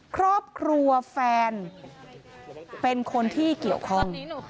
ครอบครัวแฟนเป็นคนที่เกี่ยวข้อง